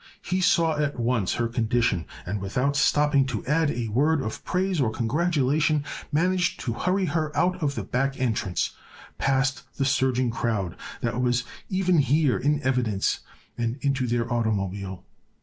He saw at once her condition and without stopping to add a word of praise or congratulation managed to hurry her out of the back entrance, past the surging crowd that was even here in evidence, and into their automobile.